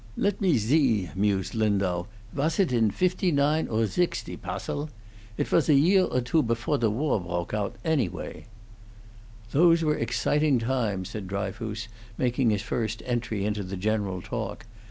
"Ledt me zee," mused Lindau. "Wass it in fifty nine or zixty, Passil? Idt wass a year or dwo pefore the war proke oudt, anyway." "Those were exciting times," said Dryfoos, making his first entry into the general talk.